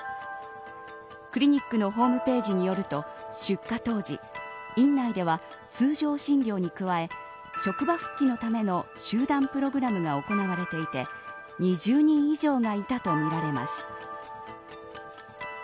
クリニックのホームページによると出火当時、院内では通常診療に加え職場復帰のための集団プログラムが行われていて２０人以上がいたとみられます。